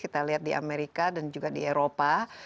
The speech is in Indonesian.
kita lihat di amerika dan juga di eropa